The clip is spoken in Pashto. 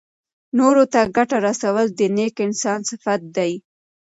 نورو ته ګټه رسول د نېک انسان صفت دی.